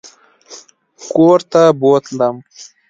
کورته بوتلم.